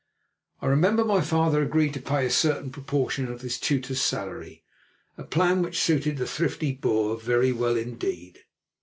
I remember that my father agreed to pay a certain proportion of this tutor's salary, a plan which suited the thrifty Boer very well indeed.